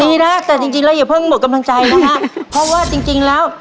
ดีนะแต่จริงจริงแล้วอย่าเพิ่งหมดกำลังใจนะฮะเพราะว่าจริงจริงแล้ว